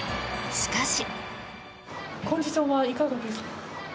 しかし。